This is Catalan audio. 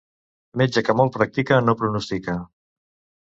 Metge que molt practica no pronostica.